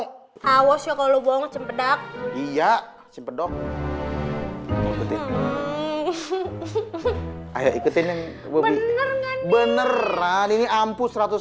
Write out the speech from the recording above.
hai awas ya kalau bohong simpedak iya simpedok ngomong ngomong ikutin yang bener beneran ini ampuh